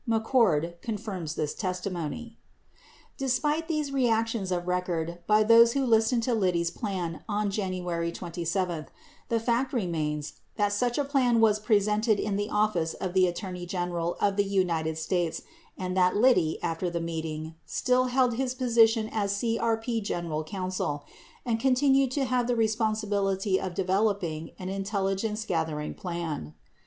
56 McCord confirms this testimony. 57 Despite these reactions of record by those who listened to Liddy's plan on January 27, the fact remains that such a plan was presented in the office of the Attorney General of the United States and that Liddy, after the meeting, still held his position as CRP general counsel and continued to have the responsibility of developing an intelligence gathering plan.